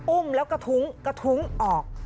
อุ้มแล้วกระทุ้งกระทุ้งออก